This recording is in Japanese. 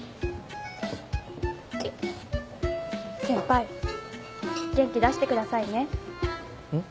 先輩元気出してくださいね。